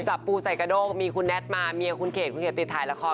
จับปูใส่กระโด้งมีคุณแท็ตมาเมียคุณเขตคุณเขตติดถ่ายละคร